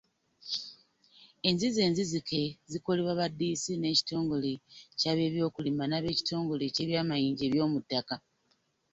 Enzizi enzizike zikolebwa ba Ddiisi n'Ekitongole ky'Ab'Ebyokulima n'ab'Ekitongole ky'Ebyamayinja eby'omu ttaka.